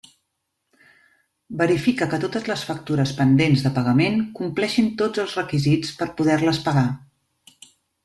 Verifica que totes les factures pendents de pagament compleixin tots els requisits per poder-les pagar.